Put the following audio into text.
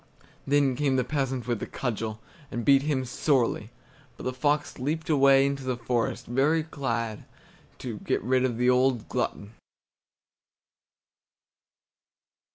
Then came the peasant with a cudgel, and beat him sorely; but the fox leaped away into the forest, very glad to get rid of the old glutton.